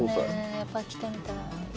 やっぱり来てみたい。